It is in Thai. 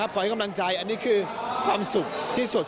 ขอให้กำลังใจอันนี้คือความสุขที่สุด